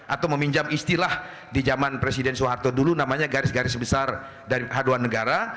atau meminjam istilah di zaman presiden soeharto dulu namanya garis garis besar dari haluan negara